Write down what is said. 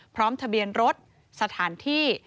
พร้อมทะเบียนรถสถานที่